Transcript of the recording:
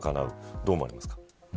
どう思いますか。